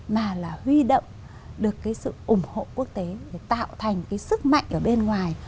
mà là huy động được cái sự ủng hộ quốc tế để tạo thành cái sức mạnh ở bên ngoài